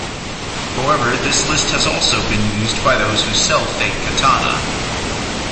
However, this list has also been used by those who sell fake katana.